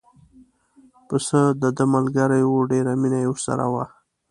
پسه دده ملګری و ډېره مینه یې ورسره وه.